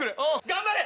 頑張れ！